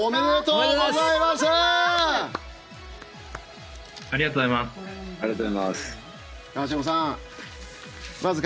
おめでとうございます！